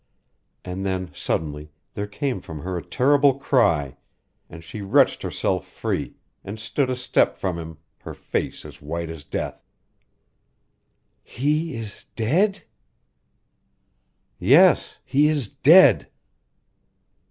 And then, suddenly, there came from her a terrible cry, and she wrenched herself free, and stood a step from him, her face as white as death. "He is dead " "Yes, he is dead."